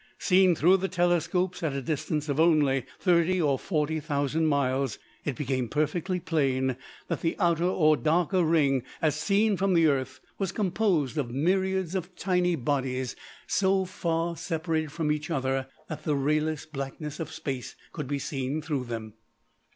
Seen through the telescopes at a distance of only thirty or forty thousand miles, it became perfectly plain that the outer or darker ring as seen from the Earth was composed of myriads of tiny bodies so far separated from each other that the rayless blackness of Space could be seen through them.